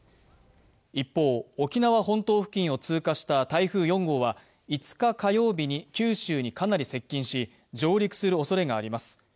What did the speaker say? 一方、沖縄本島付近を通過した台風４号は５日火曜日に九州にかなり接近し、上陸するおそれがあります。